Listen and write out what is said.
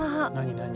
何？